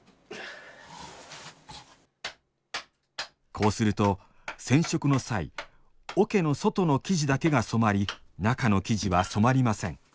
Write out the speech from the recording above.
こうすると染色の際桶の外の生地だけが染まり中の生地は染まりません。